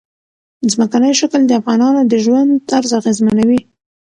ځمکنی شکل د افغانانو د ژوند طرز اغېزمنوي.